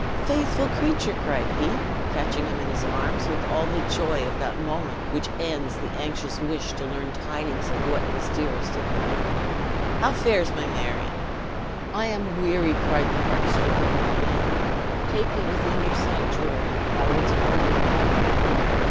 "Faithful creature!" cried he, catching him in his arms, which all the joy of that moment which ends the anxious wish to learn tidings of what is dearest in the world, "how fares my Marion?" "I am weary," cried the heart stricken old man; "take me within your sanctuary, and I will tell you all."